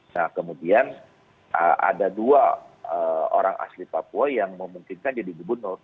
nah kemudian ada dua orang asli papua yang memungkinkan jadi gubernur